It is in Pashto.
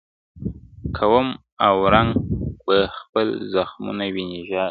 كوم اورنګ به خپل زخمونه ويني ژاړې-